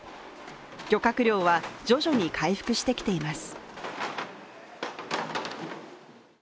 漁獲量は、徐々に回復してきています。